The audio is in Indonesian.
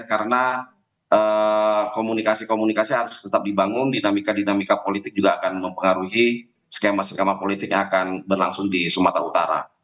karena komunikasi komunikasi harus tetap dibangun dinamika dinamika politik juga akan mempengaruhi skema skema politik yang akan berlangsung di sumatera utara